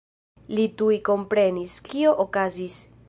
Li tuj komprenis, kio okazis.